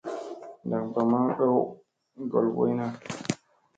Ndak mba maŋ ɗow ŋgol boy na.